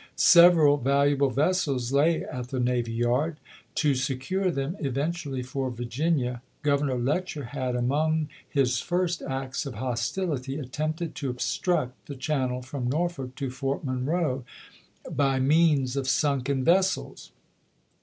Several valuable vessels lay at the navy yard. To secure them eventually for Virginia, Governor Letcher had, among his first acts of hostility, at tempted to obstruct the channel from Norfolk to Fort Monroe by means of sunken vessels.